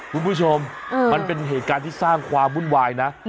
คุณผู้ชมมันเป็นเหตุการณ์ที่สร้างความวุ่นวายนะ